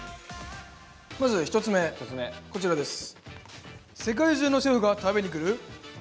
まず１つ目、こちらです。